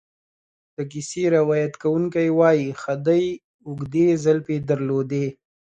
د کیسې روایت کوونکی وایي خدۍ اوږدې زلفې درلودې.